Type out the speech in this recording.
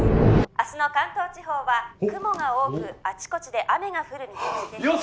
明日の関東地方は雲が多くあちこちで雨が降る見通しです